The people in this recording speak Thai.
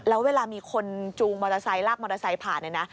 แล้วเวลามีคนจูงมอเตอร์ไซค์ลากมอเตอร์ไซค์ผ่านเนี่ยนะ